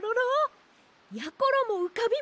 やころもうかびました！